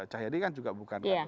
cahyadi kan juga bukan